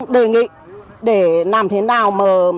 đề nghị để làm thế nào